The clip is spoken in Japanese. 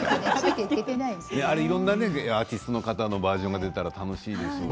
いろんなアーティストの方のバージョンが出たらおもしろいですね。